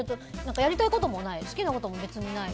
やりたいこともないし好きなことも別にない。